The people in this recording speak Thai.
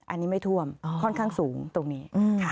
อันนี้ไม่ท่วมค่อนข้างสูงตรงนี้ค่ะ